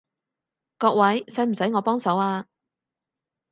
各位，使唔使我幫手啊？